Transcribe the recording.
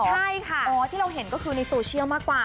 ใช่ค่ะอ๋อที่เราเห็นก็คือในโซเชียลมากกว่า